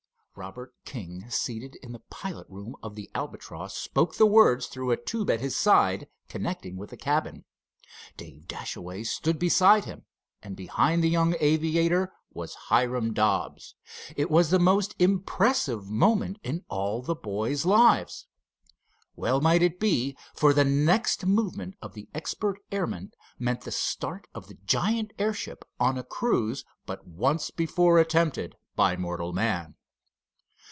Robert King, seated in the pilot room of the Albatross, spoke the words through a tube at his side connecting with the cabin. Dave Dashaway stood beside him, and behind the young aviator was Hiram Dobbs. It was the most impressive moment in all the boys' lives. Well might it be, for the next movement of the expert airman meant the start of the giant airship on a cruise but once before attempted by mortal man.